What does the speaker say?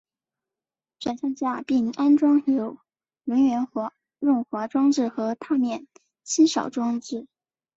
转向架并安装有轮缘润滑装置和踏面清扫装置。